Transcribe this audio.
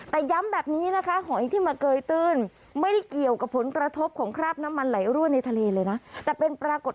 แต่ย้ำแบบนี้นะคะหอยที่มาเกยตื้น